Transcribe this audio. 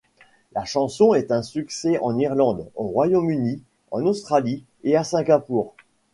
La chanson est un succès en Irlande, au Royaume-Uni, en Australie et à Singapour.